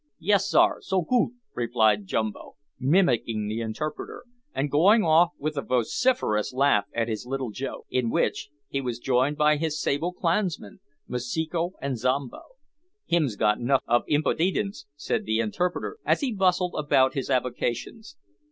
"Yis, sar zo goot," replied Jumbo, mimicking the interpreter, and going off with a vociferous laugh at his little joke, in which he was joined by his sable clansmen, Masiko and Zombo. "Hims got 'nuff of impoodidence," said the interpreter, as he bustled about his avocations.